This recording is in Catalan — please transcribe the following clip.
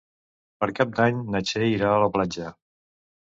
Per Cap d'Any na Txell irà a la platja.